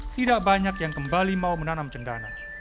tidak banyak yang kembali mau menanam cendana